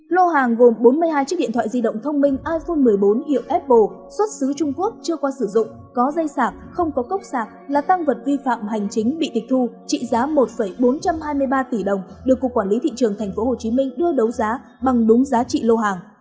lô hàng gồm bốn mươi hai chiếc điện thoại di động thông minh iphone một mươi bốn hiệu apple xuất xứ trung quốc chưa qua sử dụng có dây sạc không có cốc sạc là tăng vật vi phạm hành chính bị tịch thu trị giá một bốn trăm hai mươi ba tỷ đồng được cục quản lý thị trường tp hcm đưa đấu giá bằng đúng giá trị lô hàng